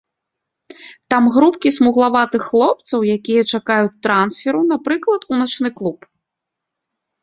Там групкі смуглаватых хлопцаў, якія чакаюць трансферу, напрыклад, у начны клуб.